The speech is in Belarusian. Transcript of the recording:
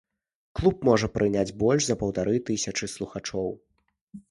Клуб можа прыняць больш за паўтары тысячы слухачоў.